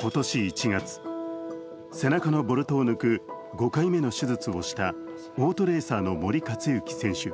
今年１月、背中のボルトを抜く５回目の手術をしたオートレーサーの森且行選手。